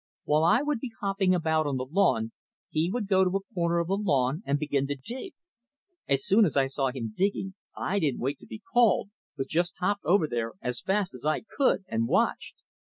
While I would be hopping about on the lawn he would go to a corner of the lawn and begin to dig. As soon as I saw him digging I didn't wait to be called, but just hopped over there as fast as I could, and watched.